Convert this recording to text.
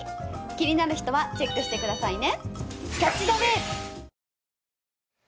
気になる人はチェックしてくださいね。